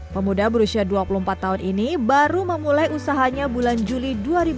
pemuda berusia dua puluh empat tahun ini baru memulai usahanya bulan juli dua ribu dua puluh